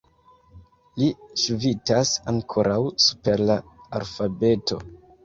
Li ŝvitas ankoraŭ super la alfabeto.